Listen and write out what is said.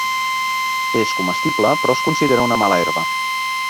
És comestible però es considera una mala herba.